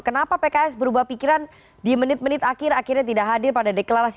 kenapa pks berubah pikiran di menit menit akhir akhirnya tidak hadir pada deklarasi